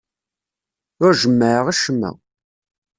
Ur jemmɛeɣ acemma.